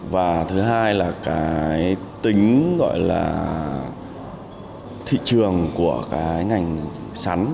và thứ hai là cái tính gọi là thị trường của cái ngành sắn